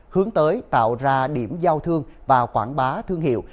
hướng tới tạo ra điểm giao thương và quảng bá thương hiệu